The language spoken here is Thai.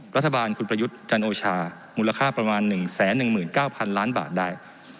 รัฐบาลคุณประยุทธ์จันโอชามูลค่าประมาณ๑๑๙๐๐ล้านบาทได้